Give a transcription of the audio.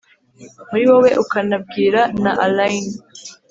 muri wowe ukanabwira na allayne.